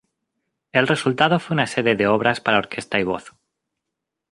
El resultado fue una serie de obras para orquesta y voz.